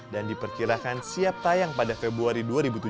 dan diperkirakan siap tayang pada februari dua ribu tujuh belas